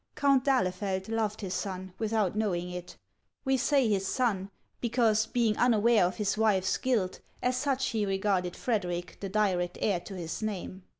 Count d'Ahlefeld loved his son without knowing it. We say his son, because, being unaware of his wife's guilt, as such he regarded Frederic, the direct heir to his name.